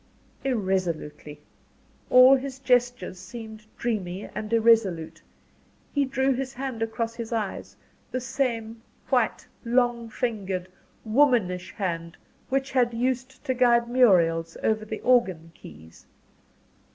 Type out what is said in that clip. Irresolutely all his gestures seemed dreamy and irresolute he drew his hand across his eyes the same white long fingered, womanish hand which had used to guide Muriel's over the organ keys.